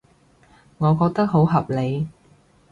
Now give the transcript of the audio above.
我覺得好合理